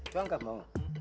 tuan gak mau